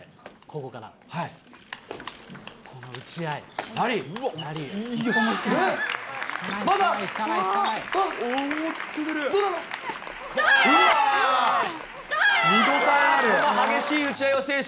この打ち合い。